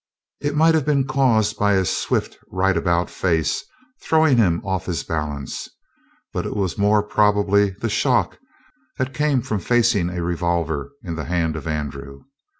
It might have been caused by his swift right about face, throwing him off his balance, but it was more probably the shock that came from facing a revolver in the hand of Andrew.